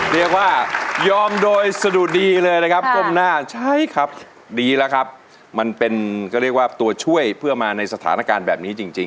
เรียกว่ายอมโดยสะดุดีเลยนะครับ